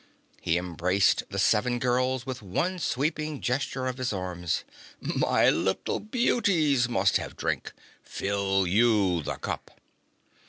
He embraced the seven girls with one sweeping gesture of his arms. "My little beauties must have drink! Fill you the cup!"